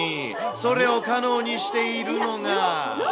それを可能にしているのが。